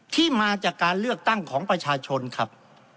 ที่มาจากการเลือกตั้งของประชาชนครับ